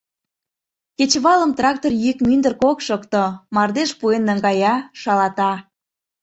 Кечывалым трактор йӱк мӱндыркӧ ок шокто, мардеж пуэн наҥгая, шалата.